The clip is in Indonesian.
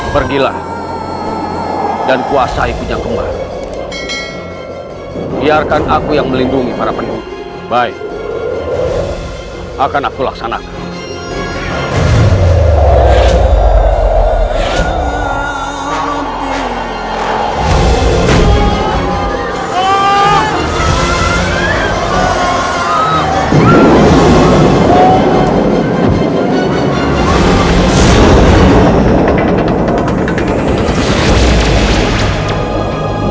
pergilah dan kuasai pinjang kembar biarkan aku yang melindungi para penduduk baik akan aku laksanakan